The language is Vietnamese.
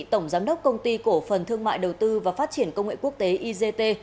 tổng giám đốc công ty cổ phần thương mại đầu tư và phát triển công nghệ quốc tế igt